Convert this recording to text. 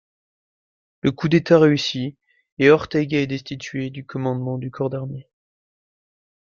Le coup d'État réussit et Ortega est destitué du commandement du corps d'armée.